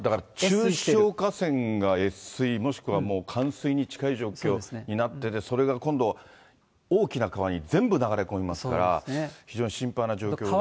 中小河川が越水もしくは冠水に近い状況になっている、それが今度、大きな川に全部流れ込みますから、非常に心配な状況ですが。